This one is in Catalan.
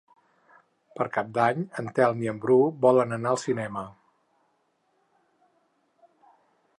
Per Cap d'Any en Telm i en Bru volen anar al cinema.